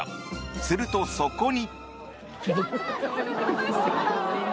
すると、そこに。